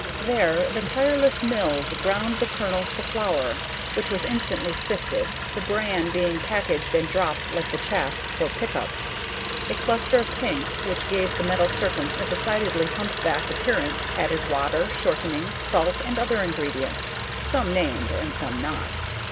There the tireless mills ground the kernels to flour, which was instantly sifted, the bran being packaged and dropped like the chaff for pickup. A cluster of tanks which gave the metal serpents a decidedly humpbacked appearance added water, shortening, salt and other ingredients, some named and some not.